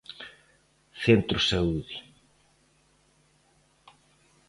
Centro Saúde.